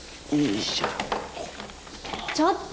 ちょっと！